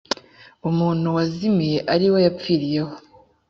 umuntu wazimiye ariwo yapfiriyeho